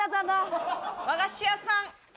和菓子屋さん。